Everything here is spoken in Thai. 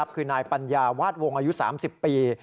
คือนายปัญญาวาดวงอายุ๓๐ปี